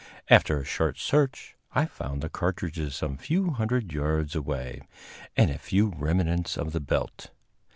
After a short search I found the cartridges some few hundred yards away, and a few remnants of the belt.